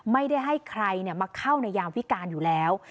ไม่ได้ให้ใครมาเข้าในยามวิการอยู่แล้ว